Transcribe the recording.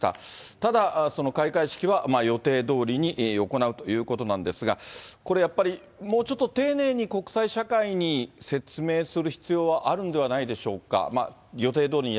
ただ開会式は予定どおりに行うということなんですが、これやっぱり、もうちょっと丁寧に国際社会に説明する必要はあるんではないでしょうか？